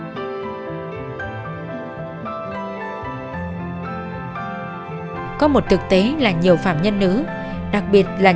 đặc biệt là những người đàn ông đàn ông đàn ông đàn ông đàn ông đàn ông đàn ông đàn ông đàn ông đàn ông đàn ông đàn ông đàn ông đàn ông đàn ông